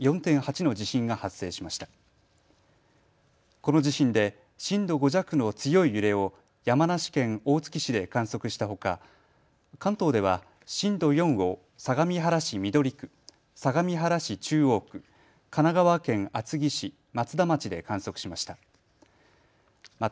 この地震で震度５弱の強い揺れを山梨県大月市で観測したほか、関東では震度４を相模原市緑区、相模原市中央区、神奈川県厚木市、松田町で観測しました。